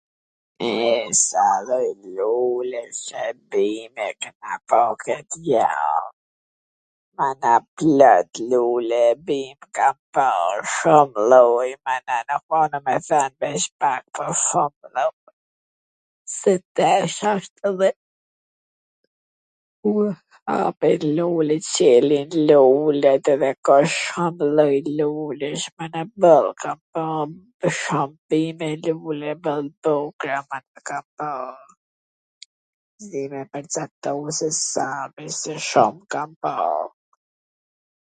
e sa lloj lulesh e bime kam pa ... mana plot lule e bim, kam pa shum lloje mana nuk mundem me thwn ... se tesh asht dhe hapen lulet, Celin lulet, edhe ka shum lloj lule ... kam pa shum bim e lule boll, po kam pa, s di me pwrcaktu se sa, veCse shum kam pa.